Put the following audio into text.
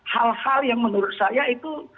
hal hal yang menurut saya itu